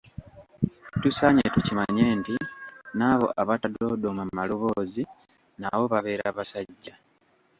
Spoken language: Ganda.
Tusaanye tukimanye nti n'abo abatadoodooma maloboozi nabo babeera basajja.